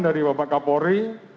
dari bapak kapolri